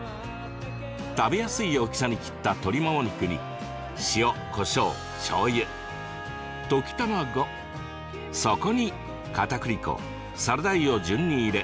食べやすい大きさに切った鶏もも肉に塩、こしょう、しょうゆ溶き卵、そこにかたくり粉、サラダ油を順に入れ